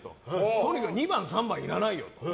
とにかく２番、３番はいらないよ